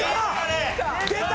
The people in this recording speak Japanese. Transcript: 出た！